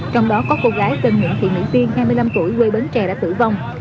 trong đó có cô gái tên nguyễn thị mỹ tiên hai mươi năm tuổi quê bến tre đã tử vong